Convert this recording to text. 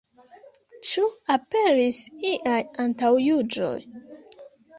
Ĉu aperis iaj antaŭjuĝoj?